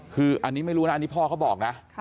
คืออันนี้ไม่รู้นะอันนี้พ่อเขาบอกนะ